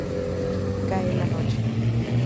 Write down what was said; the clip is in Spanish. Cae la noche.